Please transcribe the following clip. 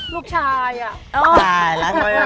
ลูกชายอะ